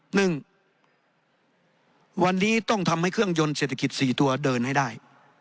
หนึ่งวันนี้ต้องทำให้เครื่องยนต์เศรษฐกิจสี่ตัวเดินให้ได้